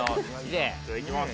じゃあいきます